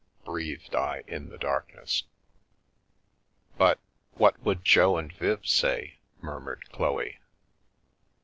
" breathed I the darkness. "But — what would Jo and Viv say?" murmur* Chloe.